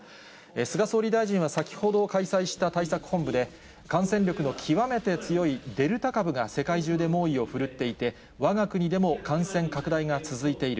菅総理大臣は先ほど開催した対策本部で、感染力の極めて強い、デルタ株が世界中で猛威を振るっていて、わが国でも感染拡大が続いている。